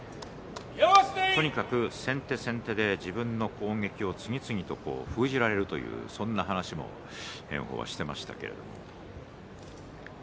とにかく先手先手で自分の攻撃を次々と封じられるそんな話も炎鵬はしていましたけれど。